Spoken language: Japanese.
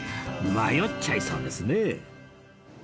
迷っちゃいそうですね